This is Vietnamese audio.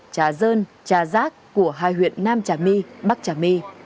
trà dơn trà giác của hai huyện nam trà my bắc trà my